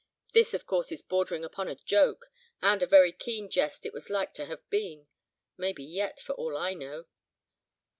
This of course is bordering upon a joke, and a very keen jest it was like to have been. Maybe yet, for all I know.